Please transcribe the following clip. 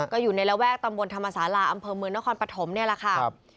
ก็อยู่ในระแวกตำบลธรรมศาลาอำเภอเมืองนครปฐมนี่แหละค่ะ